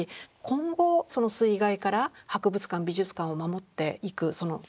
今後その水害から博物館美術館を守っていくその造り方ですね